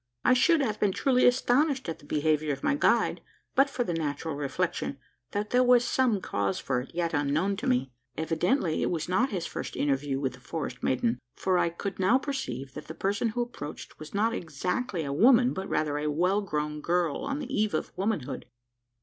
I should have been truly astonished at the behaviour of my guide, but for the natural reflection, that there was some cause for it, yet unknown to me. Evidently, it was not his first interview with the forest maiden: for I could now perceive that the person who approached was not exactly a woman, but rather a well grown girl on the eve of womanhood.